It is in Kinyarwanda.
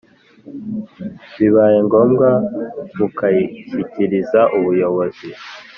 Bibaye ngombwa bukayishyikiriza ubuyobozi